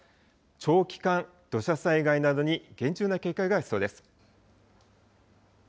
長期間、土砂災害などに厳重な警戒が必要です。